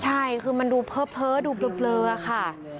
ใช่คือมันดูเพ้อดูเบลอค่ะ